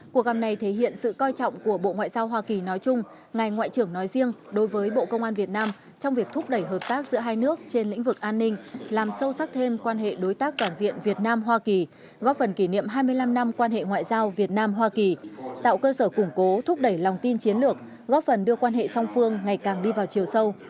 cuộc gặp này thể hiện sự coi trọng của bộ ngoại giao hoa kỳ nói chung ngài ngoại trưởng nói riêng đối với bộ công an việt nam trong việc thúc đẩy hợp tác giữa hai nước trên lĩnh vực an ninh làm sâu sắc thêm quan hệ đối tác toàn diện việt nam hoa kỳ góp phần kỷ niệm hai mươi năm năm quan hệ ngoại giao việt nam hoa kỳ tạo cơ sở củng cố thúc đẩy lòng tin chiến lược góp phần đưa quan hệ song phương ngày càng đi vào chiều sâu